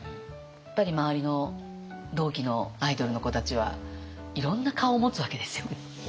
やっぱり周りの同期のアイドルの子たちはいろんな顔を持つわけですよね。